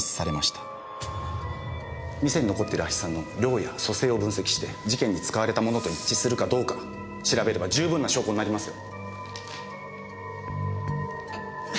店に残ってる亜ヒ酸の量や組成を分析して事件に使われたものと一致するかどうか調べれば十分な証拠になりますよ。